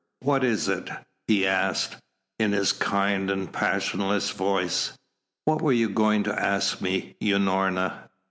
"What is it?" he asked, in his kind and passionless voice. "What were you going to ask me, Unorna?"